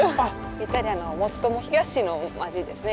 イタリアの最も東の街ですね。